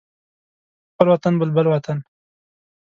خپل وطن بلبل وطن